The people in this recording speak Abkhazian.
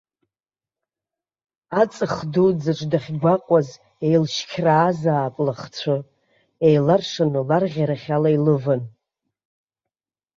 Аҵх дуӡӡаҿ дахьгәаҟуаз еилшьқьраазаап лыхцәы, еиларшаны ларӷьарахь ала илыван.